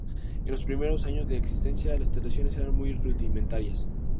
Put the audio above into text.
En los primeros años de existencia, las instalaciones eran muy rudimentarias.